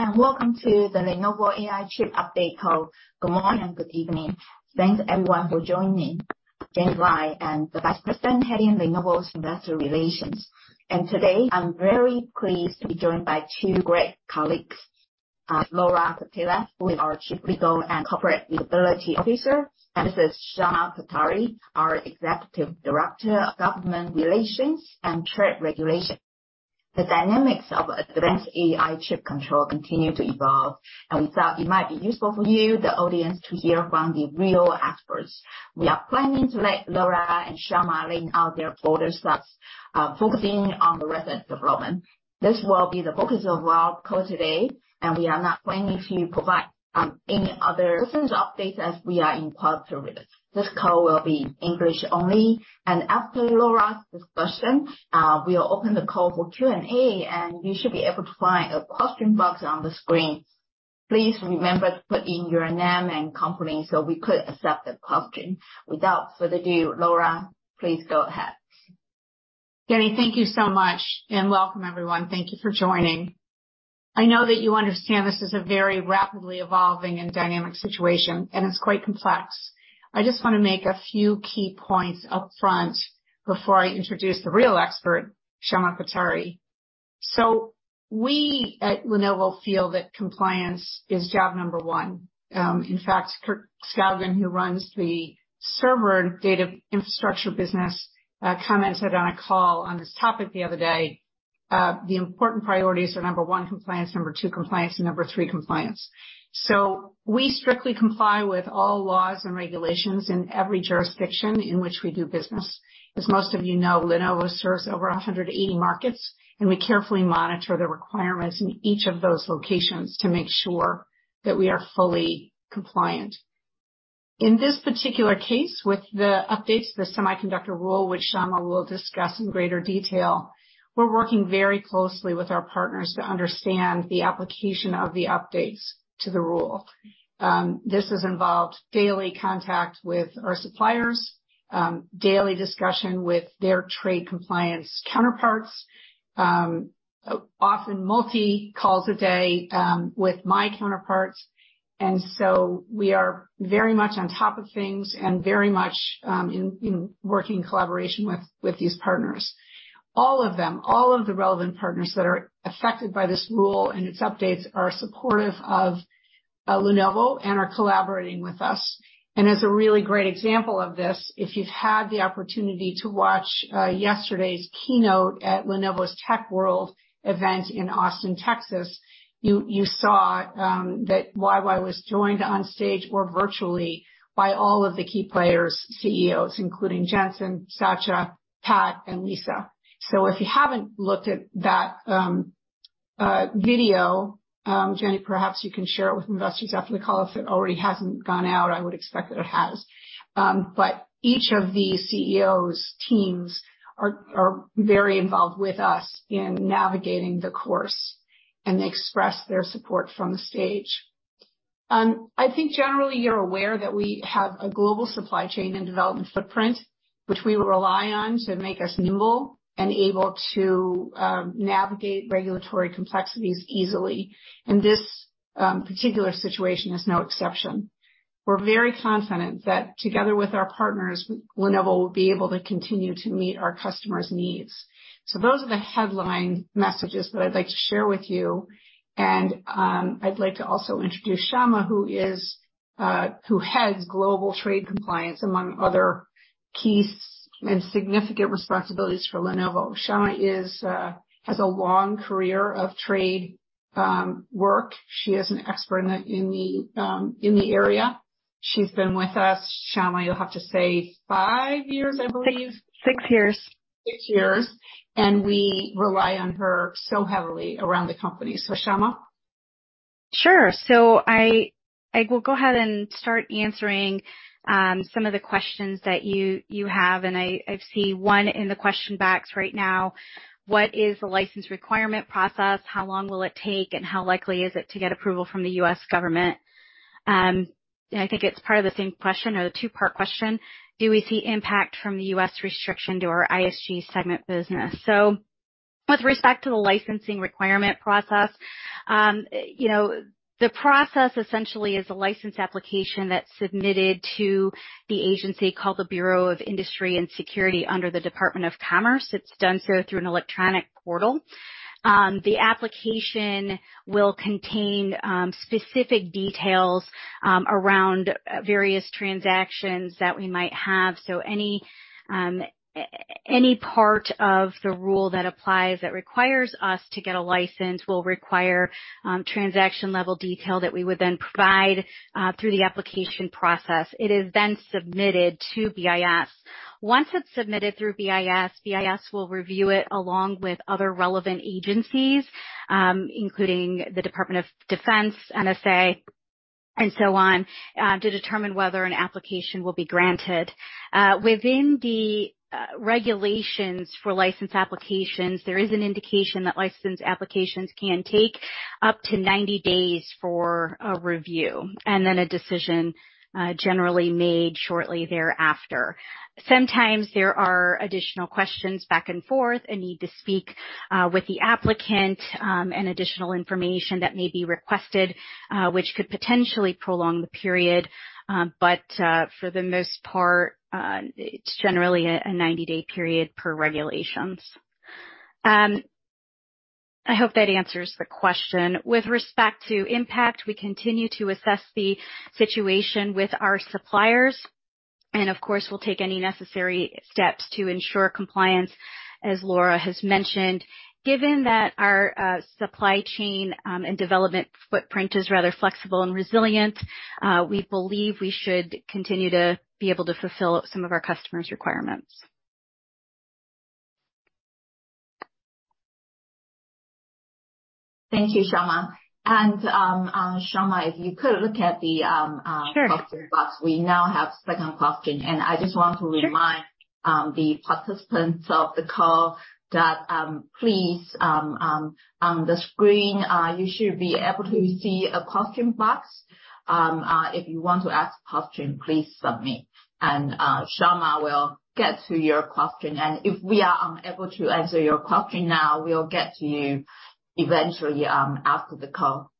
Hello, and welcome to the Lenovo AI chip update call. Good morning, good evening. Thanks, everyone, for joining me. Jenny Lai, I'm the Vice President heading Lenovo's Investor Relations. Today, I'm very pleased to be joined by two great colleagues, Laura Quatela, who is our Chief Legal and Corporate Responsibility Officer, and Shama Patari, our Executive Director of Government Relations and Trade Regulation. The dynamics of advanced AI chip control continue to evolve, and we thought it might be useful for you, the audience, to hear from the real experts. We are planning to let Laura and Shama lay out their thoughts, focusing on the recent development. This will be the focus of our call today, and we are not planning to provide any other business updates as we are in quiet period. This call will be English only, and after Laura's discussion, we'll open the call for Q&A, and you should be able to find a question box on the screen. Please remember to put in your name and company so we could accept the question. Without further ado, Laura, please go ahead. Jenny, thank you so much, and welcome, everyone. Thank you for joining. I know that you understand this is a very rapidly evolving and dynamic situation, and it's quite complex. I just want to make a few key points up front before I introduce the real expert, Shama Patari. So we at Lenovo feel that compliance is job number one. In fact, Kirk Skaugen, who runs the server and data infrastructure business, commented on a call on this topic the other day. The important priorities are, number one, compliance, number two, compliance, and number three, compliance. So we strictly comply with all laws and regulations in every jurisdiction in which we do business. As most of you know, Lenovo serves over 180 markets, and we carefully monitor the requirements in each of those locations to make sure that we are fully compliant. In this particular case, with the updates to the semiconductor rule, which Shama will discuss in greater detail, we're working very closely with our partners to understand the application of the updates to the rule. This has involved daily contact with our suppliers, daily discussion with their trade compliance counterparts, often multi calls a day, with my counterparts, and so we are very much on top of things and very much, in, in working collaboration with, with these partners. All of them, all of the relevant partners that are affected by this rule and its updates are supportive of Lenovo and are collaborating with us. As a really great example of this, if you've had the opportunity to watch yesterday's keynote at Lenovo's Tech World event in Austin, Texas, you saw that YY was joined on stage or virtually by all of the key players, CEOs, including Jensen, Satya, Pat, and Lisa. So if you haven't looked at that video, Jenny, perhaps you can share it with investors after the call if it already hasn't gone out. I would expect that it has. But each of the CEOs' teams are very involved with us in navigating the course, and they expressed their support from the stage. I think generally you're aware that we have a global supply chain and development footprint, which we rely on to make us nimble and able to navigate regulatory complexities easily. This particular situation is no exception. We're very confident that together with our partners, Lenovo will be able to continue to meet our customers' needs. So those are the headline messages that I'd like to share with you. I'd like to also introduce Shama, who heads Global Trade Compliance, among other key and significant responsibilities for Lenovo. Shama has a long career of trade work. She is an expert in the area. She's been with us. Shama, you'll have to say five years, I believe? Six years. Six years, and we rely on her so heavily around the company. So Shama? Sure. So I will go ahead and start answering some of the questions that you have, and I see one in the question box right now: "What is the license requirement process? How long will it take, and how likely is it to get approval from the U.S. government?" And I think it's part of the same question or the two-part question: "Do we see impact from the U.S. restriction to our ISG segment business?" So with respect to the licensing requirement process, you know, the process essentially is a license application that's submitted to the agency called the Bureau of Industry and Security, under the Department of Commerce. It's done so through an electronic portal. The application will contain specific details around various transactions that we might have. Any part of the rule that applies that requires us to get a license will require transaction-level detail that we would then provide through the application process. It is then submitted to BIS. Once it's submitted through BIS. BIS will review it along with other relevant agencies, including the Department of Defense, NSA, and so on, to determine whether an application will be granted. Within the regulations for license applications, there is an indication that license applications can take up to 90 days for a review, and then a decision generally made shortly thereafter. Sometimes there are additional questions back and forth, a need to speak with the applicant, and additional information that may be requested, which could potentially prolong the period. But, for the most part, it's generally a 90-day period per regulations. I hope that answers the question. With respect to impact, we continue to assess the situation with our suppliers, and of course, we'll take any necessary steps to ensure compliance, as Laura has mentioned. Given that our supply chain and development footprint is rather flexible and resilient, we believe we should continue to be able to fulfill some of our customers' requirements. Thank you, Shama. And, Shama, if you could look at the, Sure. Question box. We now have second question, and I just want to remind the participants of the call that please on the screen you should be able to see a question box. If you want to ask question, please submit, and Shama will get to your question. And if we are unable to answer your question now, we'll get to you eventually after the call.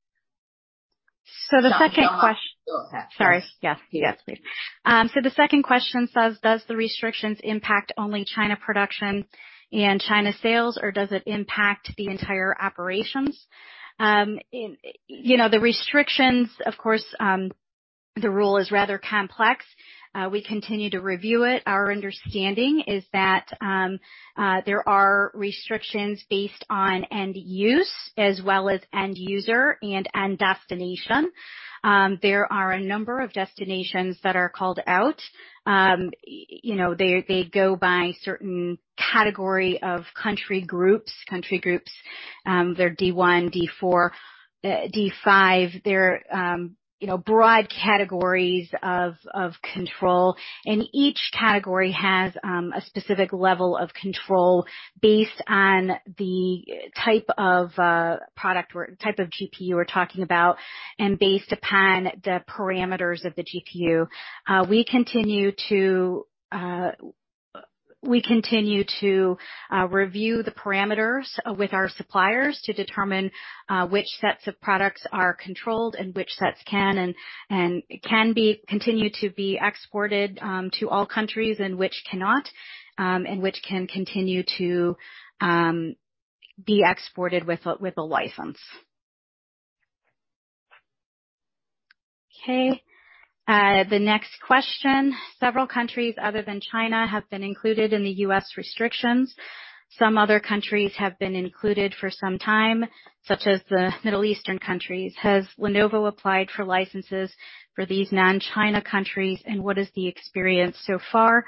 So the second question- Go ahead. Sorry. Yes. Yes, please. So the second question says: Does the restrictions impact only China production and China sales, or does it impact the entire operations? It, you know, the restrictions, of course, the rule is rather complex. We continue to review it. Our understanding is that there are restrictions based on end use as well as end user and end destination. There are a number of destinations that are called out. You know, they, they go by certain category of country groups, country groups. They're D1, D4, D5. They're, you know, broad categories of control, and each category has a specific level of control based on the type of product or type of GPU we're talking about, and based upon the parameters of the GPU. We continue to review the parameters with our suppliers to determine which sets of products are controlled and which sets can continue to be exported to all countries and which cannot, and which can continue to be exported with a license. Okay, the next question: Several countries other than China have been included in the U.S. restrictions. Some other countries have been included for some time, such as the Middle Eastern countries. Has Lenovo applied for licenses for these non-China countries, and what is the experience so far?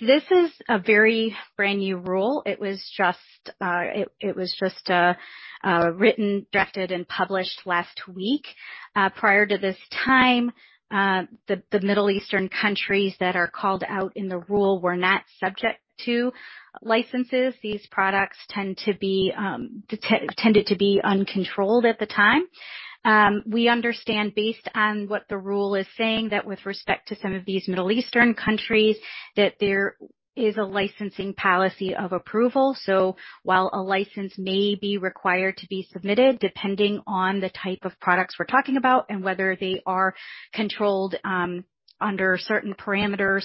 This is a very brand-new rule. It was just written, drafted, and published last week. Prior to this time, the Middle Eastern countries that are called out in the rule were not subject to licenses. These products tended to be uncontrolled at the time. We understand, based on what the rule is saying, that with respect to some of these Middle Eastern countries, that there is a licensing policy of approval. So while a license may be required to be submitted, depending on the type of products we're talking about and whether they are controlled, under certain parameters,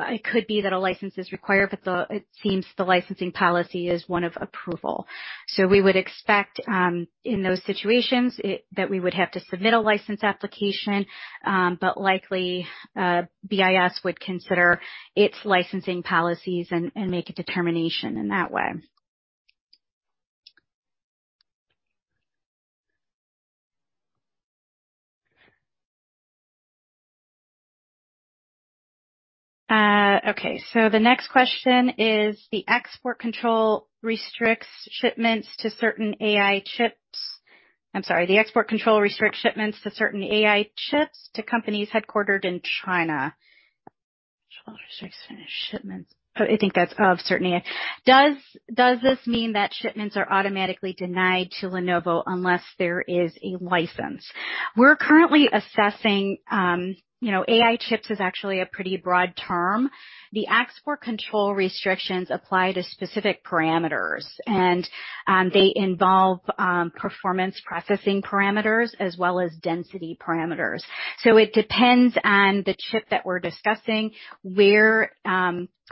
it could be that a license is required, but it seems the licensing policy is one of approval. So we would expect, in those situations, that we would have to submit a license application, but likely, BIS would consider its licensing policies and make a determination in that way. Okay, so the next question is: The export control restricts shipments to certain AI chips... I'm sorry. The export control restricts shipments to certain AI chips to companies headquartered in China. Does this mean that shipments are automatically denied to Lenovo unless there is a license? We're currently assessing, you know, AI chips is actually a pretty broad term. The export control restrictions apply to specific parameters, and, they involve, performance processing parameters as well as density parameters. So it depends on the chip that we're discussing, where,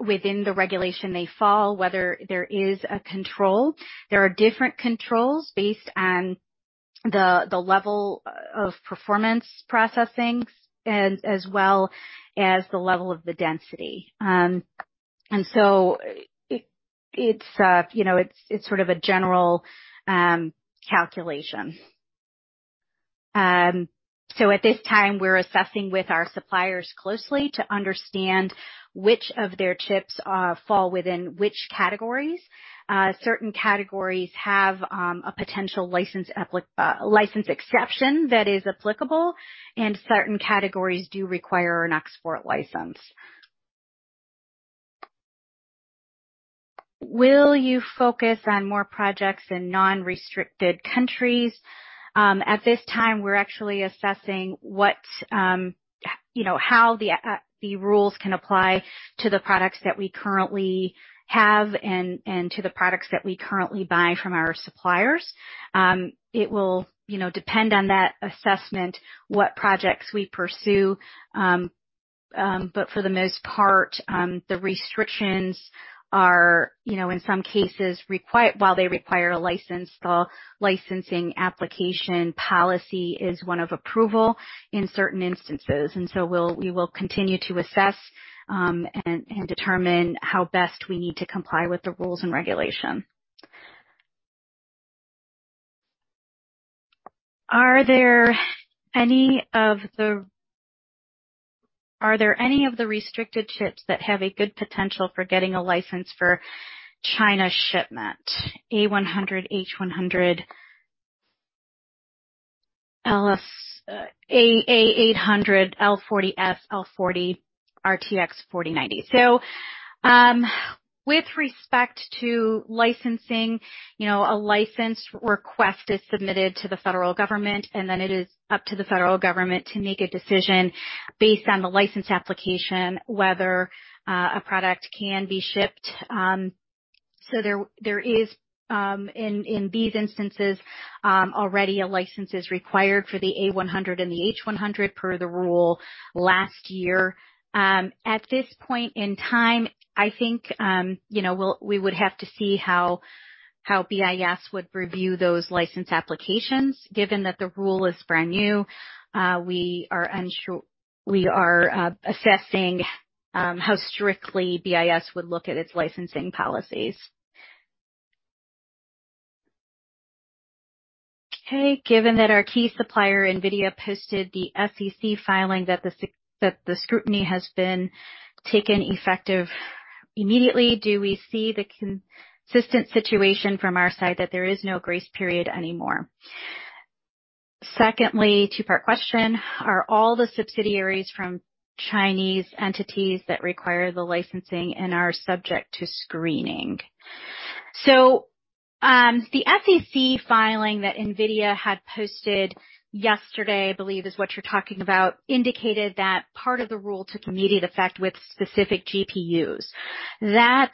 within the regulation they fall, whether there is a control. There are different controls based on the level of performance processing and as well as the level of the density. And so it, it's, you know, it's sort of a general, calculation. So at this time, we're assessing with our suppliers closely to understand which of their chips fall within which categories. Certain categories have a potential license exception that is applicable, and certain categories do require an export license. Will you focus on more projects in non-restricted countries? At this time, we're actually assessing what, you know, how the rules can apply to the products that we currently have and to the products that we currently buy from our suppliers. It will, you know, depend on that assessment, what projects we pursue. But for the most part, the restrictions are, you know, in some cases require—while they require a license, the licensing application policy is one of approval in certain instances, and so we'll, we will continue to assess, and determine how best we need to comply with the rules and regulations. Are there any of the restricted chips that have a good potential for getting a license for China shipment? A100, H100, L40S, A800, L40S, L40, RTX 4090. So, with respect to licensing, you know, a license request is submitted to the federal government, and then it is up to the federal government to make a decision based on the license application, whether a product can be shipped. So there is in these instances already a license is required for the A100 and the H100 per the rule last year. At this point in time, I think, you know, we would have to see how BIS would review those license applications, given that the rule is brand new. We are unsure. We are assessing how strictly BIS would look at its licensing policies. Okay. Given that our key supplier, NVIDIA, posted the SEC filing that the scrutiny has been taken effective immediately, do we see the consistent situation from our side that there is no grace period anymore? Secondly, two-part question: Are all the subsidiaries from Chinese entities that require the licensing and are subject to screening? So, the SEC filing that NVIDIA had posted yesterday, I believe is what you're talking about, indicated that part of the rule took immediate effect with specific GPUs. That,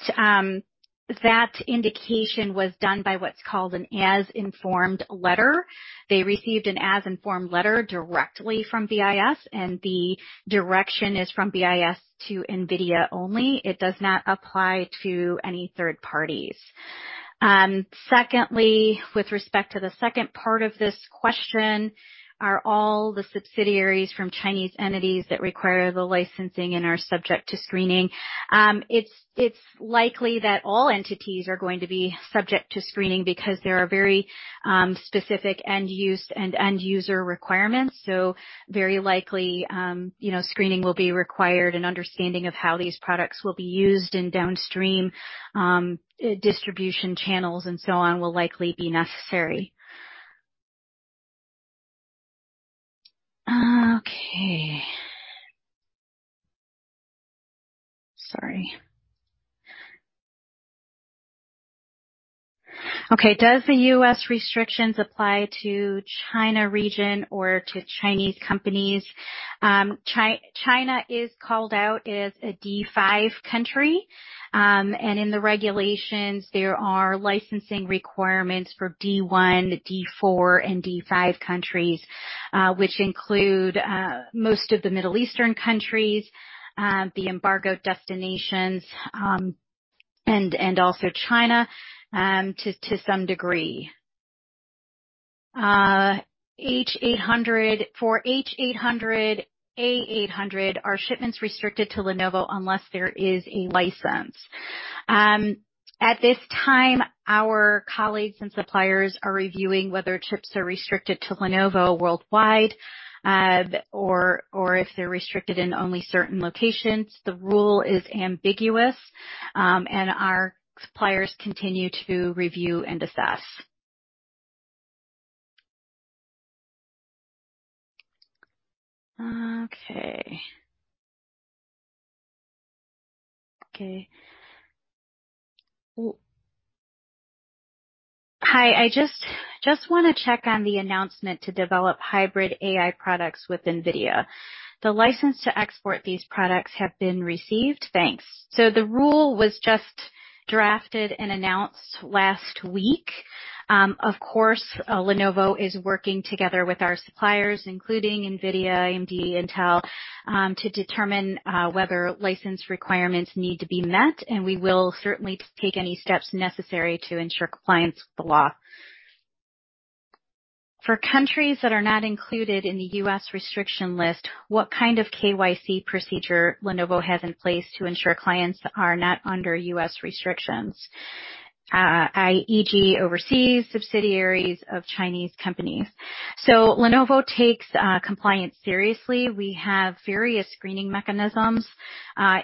that indication was done by what's called an as-informed letter. They received an as-informed letter directly from BIS, and the direction is from BIS to NVIDIA only. It does not apply to any third parties. Secondly, with respect to the second part of this question, are all the subsidiaries from Chinese entities that require the licensing and are subject to screening? It's, it's likely that all entities are going to be subject to screening because there are very, specific end-use and end-user requirements. So very likely, you know, screening will be required, and understanding of how these products will be used in downstream, distribution channels and so on, will likely be necessary. Okay. Sorry. Okay. Does the U.S. restrictions apply to China region or to Chinese companies? China is called out as a D5 country. And in the regulations, there are licensing requirements for D1, D4, and D5 countries, which include most of the Middle Eastern countries, the embargoed destinations, and also China, to some degree. H800... For H800, A800, are shipments restricted to Lenovo unless there is a license? At this time, our colleagues and suppliers are reviewing whether chips are restricted to Lenovo worldwide, or if they're restricted in only certain locations. The rule is ambiguous, and our suppliers continue to review and assess. Okay. Okay. Hi, I just want to check on the announcement to develop hybrid AI products with NVIDIA. The license to export these products have been received. Thanks. The rule was just drafted and announced last week. Of course, Lenovo is working together with our suppliers, including NVIDIA, AMD, Intel, to determine whether license requirements need to be met, and we will certainly take any steps necessary to ensure compliance with the law. For countries that are not included in the U.S. restriction list, what kind of KYC procedure Lenovo has in place to ensure clients are not under U.S. restrictions, i.e., overseas subsidiaries of Chinese companies? Lenovo takes compliance seriously. We have various screening mechanisms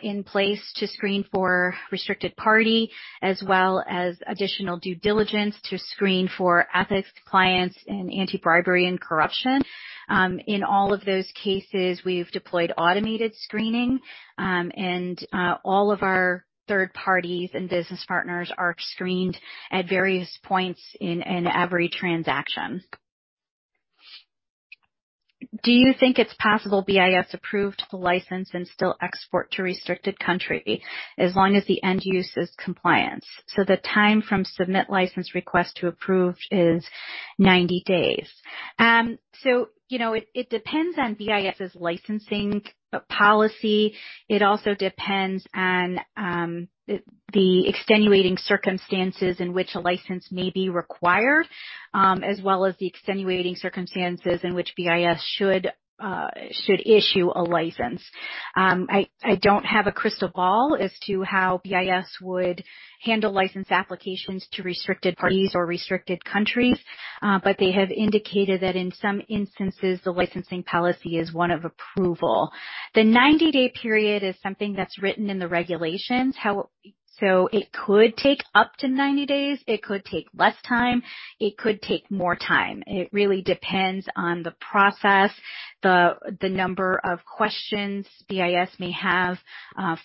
in place to screen for restricted party, as well as additional due diligence to screen for ethics, clients, and anti-bribery and corruption. In all of those cases, we've deployed automated screening, and all of our third parties and business partners are screened at various points in every transaction. Do you think it's possible BIS approved the license and still export to restricted country as long as the end use is compliance? So the time from submit license request to approved is 90 days. So, you know, it depends on BIS' licensing policy. It also depends on the extenuating circumstances in which a license may be required, as well as the extenuating circumstances in which BIS should issue a license. I don't have a crystal ball as to how BIS would handle license applications to restricted parties or restricted countries, but they have indicated that in some instances, the licensing policy is one of approval. The 90-day period is something that's written in the regulations. So it could take up to 90 days, it could take less time, it could take more time. It really depends on the process, the number of questions BIS may have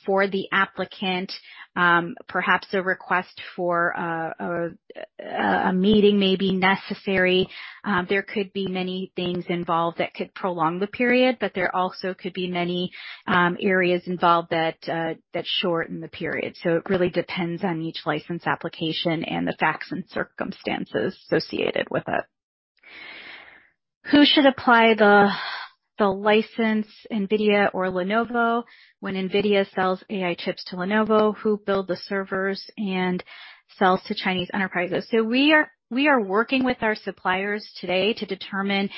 for the applicant. Perhaps a request for a meeting may be necessary. There could be many things involved that could prolong the period, but there also could be many areas involved that shorten the period. So it really depends on each license application and the facts and circumstances associated with it. Who should apply the license, NVIDIA or Lenovo? When NVIDIA sells AI chips to Lenovo, who build the servers and sells to Chinese enterprises. So we are working with our suppliers today to determine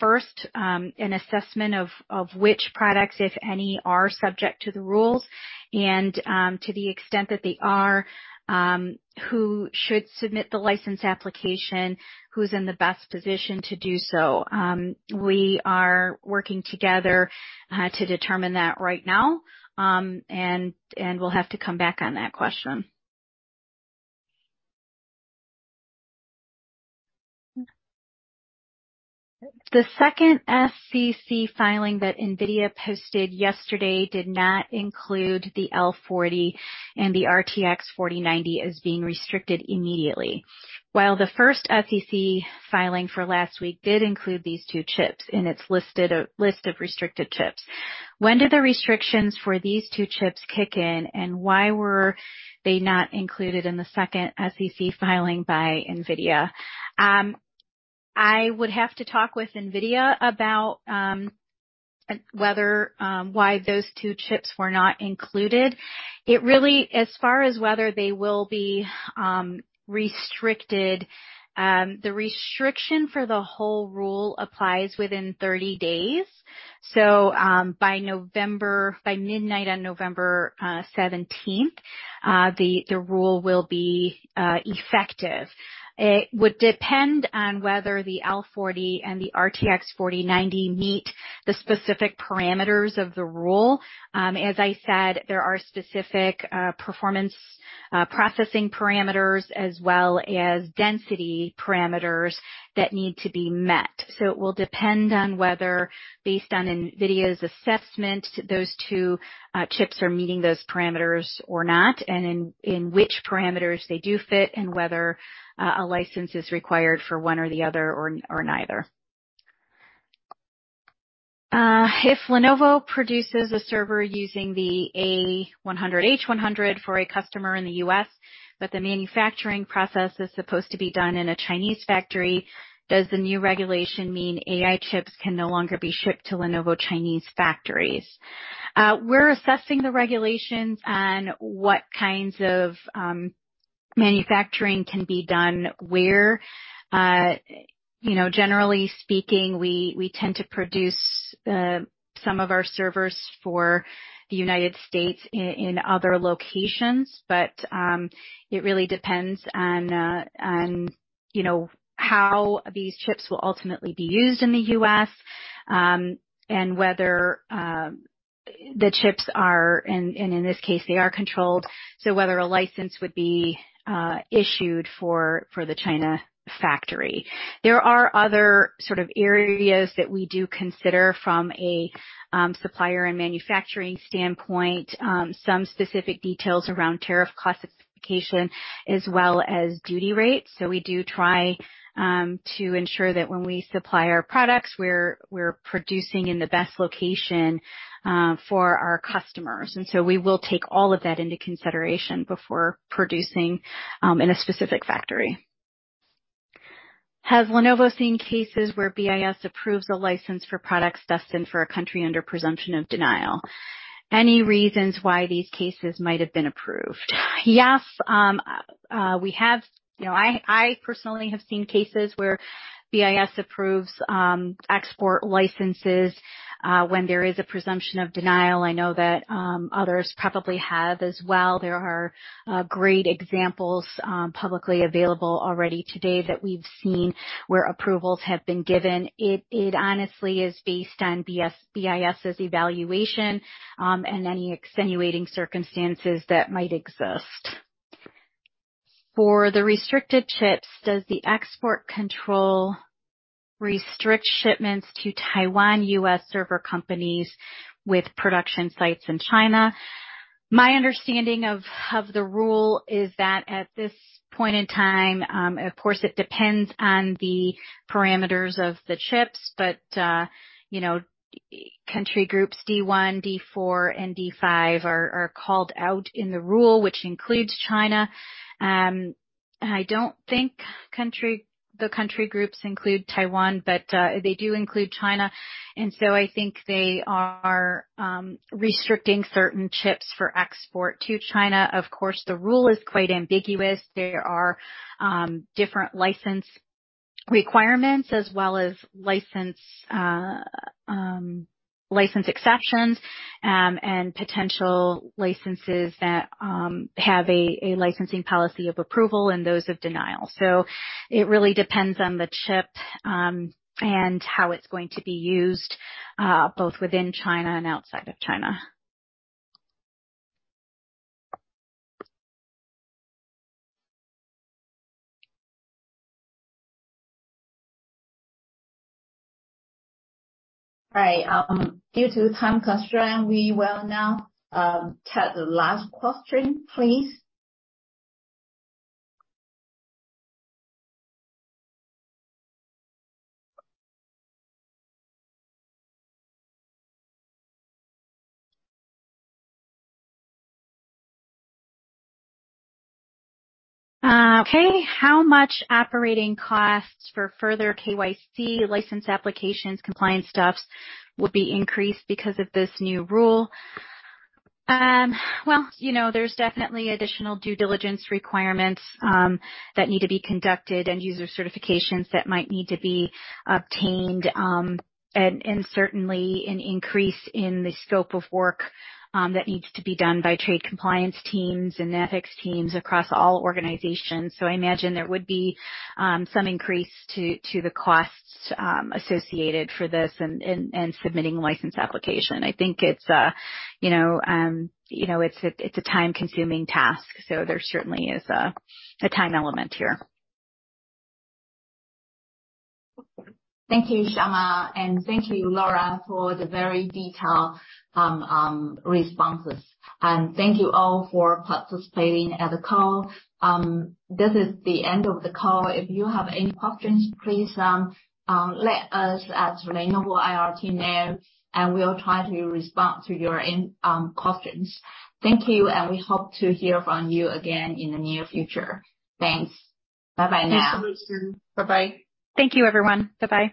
first an assessment of which products, if any, are subject to the rules, and to the extent that they are, who should submit the license application, who's in the best position to do so. We are working together to determine that right now, and we'll have to come back on that question. The second SEC filing that NVIDIA posted yesterday did not include the L40 and the RTX 4090 as being restricted immediately, while the first SEC filing for last week did include these two chips in its listed list of restricted chips. When do the restrictions for these two chips kick in, and why were they not included in the second SEC filing by NVIDIA? I would have to talk with NVIDIA about whether why those two chips were not included. It really, as far as whether they will be restricted, the restriction for the whole rule applies within 30 days, so by November, by midnight on November 17th, the rule will be effective. It would depend on whether the L40 and the RTX 4090 meet the specific parameters of the rule. As I said, there are specific performance processing parameters as well as density parameters that need to be met. So it will depend on whether, based on NVIDIA's assessment, those two chips are meeting those parameters or not, and in which parameters they do fit, and whether a license is required for one or the other or neither. If Lenovo produces a server using the A100 H100 for a customer in the U.S., but the manufacturing process is supposed to be done in a Chinese factory, does the new regulation mean AI chips can no longer be shipped to Lenovo Chinese factories? We're assessing the regulations on what kinds of manufacturing can be done where. You know, generally speaking, we tend to produce some of our servers for the United States in other locations. But it really depends on, you know, how these chips will ultimately be used in the U.S., and whether the chips are... and, in this case, they are controlled, so whether a license would be issued for the China factory. There are other sort of areas that we do consider from a supplier and manufacturing standpoint, some specific details around tariff classification as well as duty rates. So we do try to ensure that when we supply our products, we're producing in the best location for our customers. And so we will take all of that into consideration before producing in a specific factory. Has Lenovo seen cases where BIS approves a license for products destined for a country under presumption of denial? Any reasons why these cases might have been approved? Yes, we have. You know, I personally have seen cases where BIS approves export licenses when there is a presumption of denial. I know that others probably have as well. There are great examples publicly available already today that we've seen where approvals have been given. It honestly is based on BIS' evaluation and any extenuating circumstances that might exist. For the restricted chips, does the export control restrict shipments to Taiwan, U.S. server companies with production sites in China? My understanding of the rule is that at this point in time, of course, it depends on the parameters of the chips, but you know, country groups D1, D4, and D5 are called out in the rule, which includes China. I don't think the country groups include Taiwan, but they do include China, and so I think they are restricting certain chips for export to China. Of course, the rule is quite ambiguous. There are different license requirements as well as license exceptions and potential licenses that have a licensing policy of approval and those of denial. So it really depends on the chip and how it's going to be used both within China and outside of China. All right. Due to time constraint, we will now take the last question, please. Okay. How much operating costs for further KYC license applications, compliance stuffs, will be increased because of this new rule? Well, you know, there's definitely additional due diligence requirements that need to be conducted and user certifications that might need to be obtained. And certainly an increase in the scope of work that needs to be done by trade compliance teams and ethics teams across all organizations. So I imagine there would be some increase to the costs associated for this and submitting a license application. I think it's a, you know, you know, it's a time-consuming task, so there certainly is a time element here. Thank you, Shama, and thank you, Laura, for the very detailed responses. Thank you all for participating at the call. This is the end of the call. If you have any questions, please let us at Lenovo IR team know, and we'll try to respond to your end questions. Thank you, and we hope to hear from you again in the near future. Thanks. Bye-bye now. Thanks so much. Bye-bye. Thank you, everyone. Bye-bye.